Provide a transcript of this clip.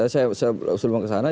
saya sebelum ke sana